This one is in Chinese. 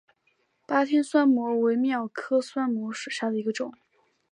巴天酸模为蓼科酸模属下的一个种。